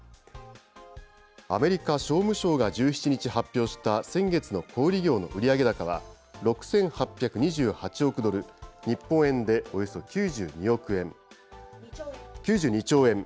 アメリカ商務省が１７日発表した、先月の小売り業の売上高は６８２８億ドル、日本円でおよそ９２兆円。